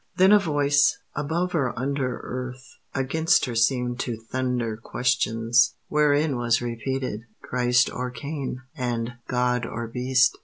Then a voice, above or under Earth, against her seemed to thunder Questions, wherein was repeated, "Christ or Cain?" and "God or beast?"